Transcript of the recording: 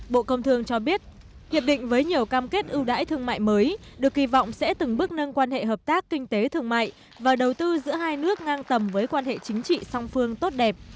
bộ công thương cho biết hiệp định với nhiều cam kết ưu đãi thương mại mới được kỳ vọng sẽ từng bước nâng quan hệ hợp tác kinh tế thương mại và đầu tư giữa hai nước ngang tầm với quan hệ chính trị song phương tốt đẹp